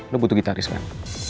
lo butuh gitaris kan